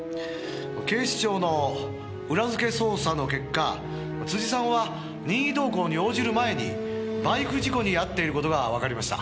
「警視庁の裏づけ捜査の結果辻さんは任意同行に応じる前にバイク事故に遭っている事がわかりました」